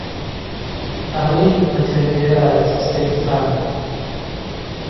Ауи Батыргьариргӏа рацкӏыс дайцӏбан.